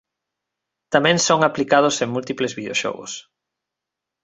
Tamén son aplicados en múltiples videoxogos.